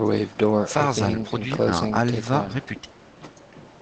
Pharsale produit un halva réputé.